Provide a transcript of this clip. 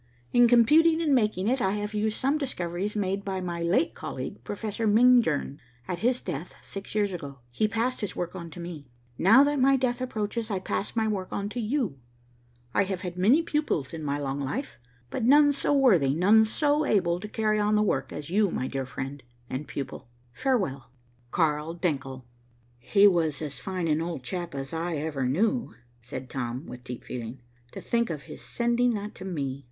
In computing and making it, I have used some discoveries made by my late colleague, Professor Mingern. At his death, six years ago, he passed his work on to me. Now that my death approaches, I pass my work on to you. I have had many pupils in my long life, but none so worthy, none so able to carry on the work, as you, my dear friend and pupil. Farewell. "CARL DENCKEL." "He was as fine an old chap as ever I knew," said Tom, with deep feeling. "To think of his sending that to me.